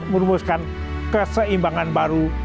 merumuskan keseimbangan baru